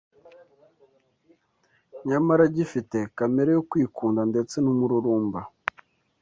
nyamara agifite kamere yo kwikunda ndetse n’umururumba